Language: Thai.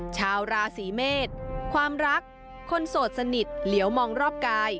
ชาวราศีเมษความรักคนโสดสนิทเหลียวมองรอบกาย